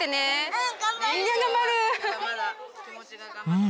うん！